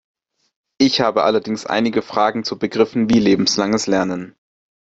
Ich habe allerdings einige Fragen zu Begriffen wie lebenslanges Lernen.